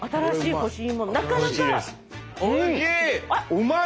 うまい！